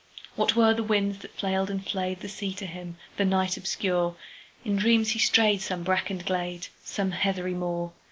What were the winds that flailed and flayedThe sea to him, the night obscure? In dreams he strayed some brackened glade, Some heathery moor.